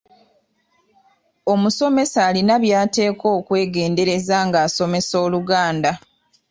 Omusomesa alina by’ateekwa okwegendereza ng’asomesa Oluganda.